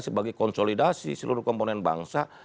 sebagai konsolidasi seluruh komponen bangsa